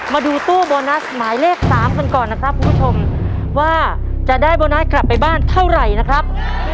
มาดูตู้โบนัสหมายเลข๓กันก่อนนะครับคุณผู้ชมว่าจะได้โบนัสกลับไปบ้านเท่าไหร่นะครับ